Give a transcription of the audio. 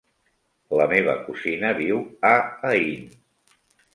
La meva cosina viu a Aín.